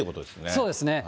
そうですね。